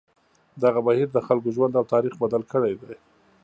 دغه بهیر د خلکو ژوند او تاریخ بدل کړی دی.